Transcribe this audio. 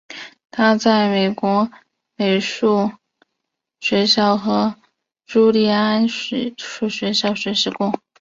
他在法国美术学校和朱利安艺术学校学习过。